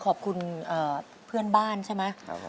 ขอบคุณเพื่อนบ้านใช่ไหม